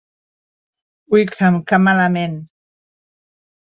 Wickham, què malament"